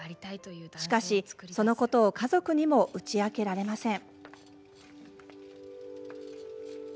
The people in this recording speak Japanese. しかし、そのことを家族にも打ち明けられません。